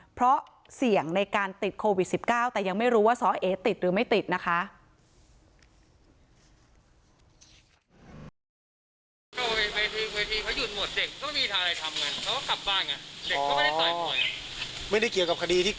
เพราะเสี่ยงในการติดโควิด๑๙แต่ยังไม่รู้ว่าซ้อเอติดหรือไม่ติดนะคะ